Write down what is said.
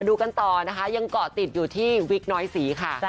ดูกันต่อนะคะยังเกาะติดอยู่ที่วิกน้อยศรีค่ะ